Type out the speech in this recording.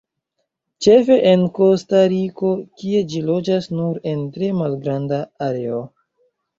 Ĉefe en Kostariko, kie ĝi loĝas nur en tre malgranda areo.